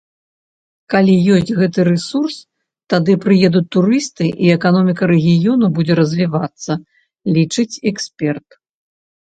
Калі ёсць гэты рэсурс, тады прыедуць турысты, і эканоміка рэгіёну будзе развівацца, лічыць эксперт.